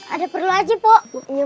ada perlu aja pok